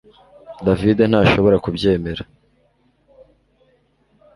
David ntashobora kubyemera